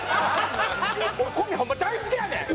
俺小宮ホンマ大好きやねん！